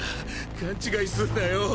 勘違いすんなよ？